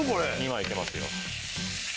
２枚いけますよ。